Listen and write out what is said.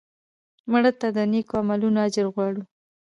مړه ته د نیکو عملونو اجر غواړو